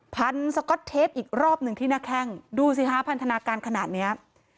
พันสก๊อตเทปอีกรอบหนึ่งที่หน้าแข้งดูสิคะพันธนาการขนาดเนี้ย